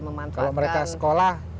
memanfaatkan kalau mereka sekolah